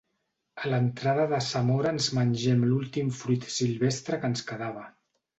A l'entrada de Zamora ens mengem l'últim fruit silvestre que ens quedava.